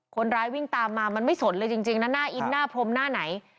คนร้ายวิ่งตามมามันไม่สนเลยจริงนะหน้าอินหน้าพรมหน้าไหน